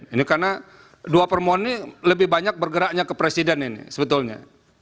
ini karena dua permohonan ini lebih banyak bergeraknya ke presiden ini sebetulnya